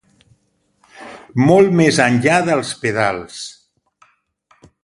Molt més enllà dels pedals.